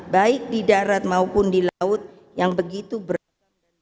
baik di darat maupun di laut yang begitu berat